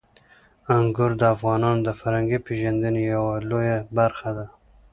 انګور د افغانانو د فرهنګي پیژندنې یوه لویه برخه ده.